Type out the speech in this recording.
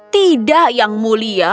tidak yang mulia